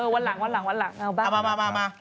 วันหลังเอาบ้าง